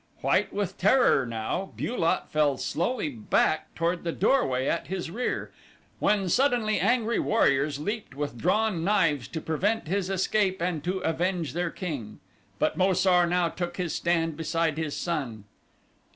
White with terror, now, Bu lot fell slowly back toward the doorway at his rear, when suddenly angry warriors leaped with drawn knives to prevent his escape and to avenge their king. But Mo sar now took his stand beside his son.